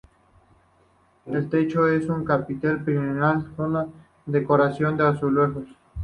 El techo es un chapitel piramidal con decoración de azulejos.